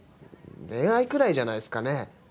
恋愛くらいじゃないっすかね？